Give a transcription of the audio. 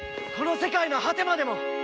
この世界の果てまでも！